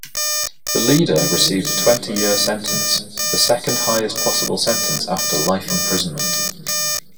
The leader received a twenty-year sentence, the second highest possible sentence after life imprisonment.